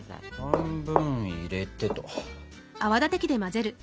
半分入れてと。